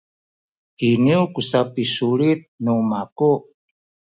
iniyu ku sapisulit nu maku